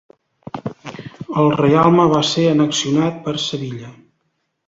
El reialme va ser annexionat per Sevilla.